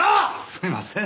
すいません。